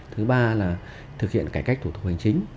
thứ ba là thực hiện cải cách thủ tục hành chính